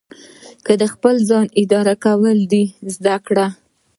که د خپل ځان اداره کول دې زده کړل.